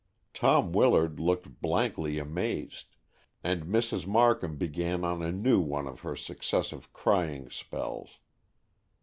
Tom Willard looked blankly amazed, and Mrs. Markham began on a new one of her successive crying spells.